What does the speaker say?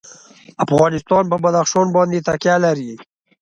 افغانستان په بدخشان باندې تکیه لري.